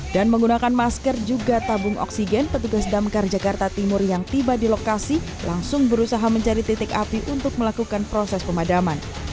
dan menggunakan masker juga tabung oksigen petugas damkar jakarta timur yang tiba di lokasi langsung berusaha mencari titik api untuk melakukan proses pemadaman